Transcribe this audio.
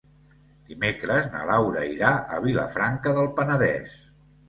Dimecres na Laura irà a Vilafranca del Penedès.